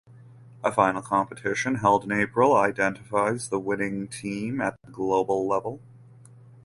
A final competition held in April identifies the winning team at the global level.